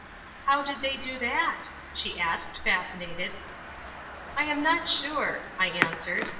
"How did they do that?" she asked, fascinated. "I am not sure," I answered.